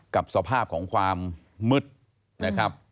กับสภาพของความมืดนะครับ